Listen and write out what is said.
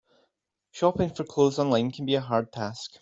Shopping for clothes online can be a hard task.